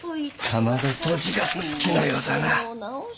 卵とじが好きなようだな。